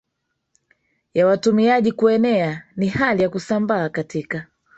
ya watumiaji Kuenea Ni hali ya kusambaa katika